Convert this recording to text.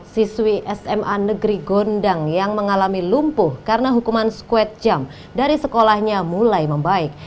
siswi sma negeri gondang yang mengalami lumpuh karena hukuman squad jam dari sekolahnya mulai membaik